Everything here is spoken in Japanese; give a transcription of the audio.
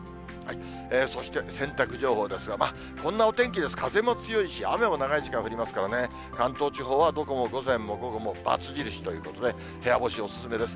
そして洗濯情報ですが、こんなお天気です、風も強いし、雨も長い時間降りますからね、関東地方は午後も午前も午後もバツ印ということで、部屋干しお勧めです。